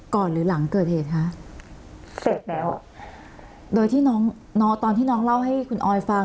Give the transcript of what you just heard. หรือหลังเกิดเหตุคะเสร็จแล้วอ่ะโดยที่น้องน้องตอนที่น้องเล่าให้คุณออยฟัง